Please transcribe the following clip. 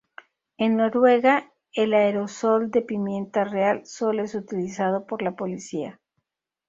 En Noruega, el aerosol de pimienta real sólo es utilizado por la policía.